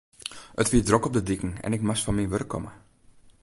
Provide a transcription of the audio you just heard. It wie drok op de diken en ik moast fan myn wurk komme.